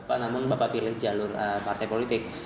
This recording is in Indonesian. bapak namun pilih jalur partai politik